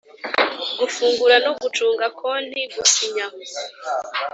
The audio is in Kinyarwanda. Gufungura no gucunga konti gusinya